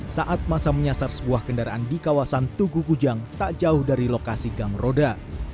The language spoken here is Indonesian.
saat masa menyasar sebuah kendaraan di kawasan tugu kujang tak jauh dari lokasi gang roda